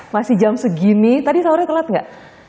masih jam segini tadi saurnya telat nggak